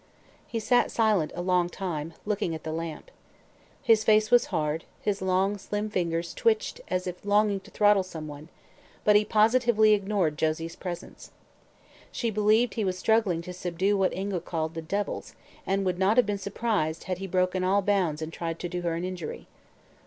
He sat silent a long time, looking at the lamp. His face was hard; his long, slim fingers twitched as if longing to throttle someone; but he positively ignored Josie's presence. She believed he was struggling to subdue what Ingua called "the devils," and would not have been surprised had he broken all bounds and tried to do her an injury.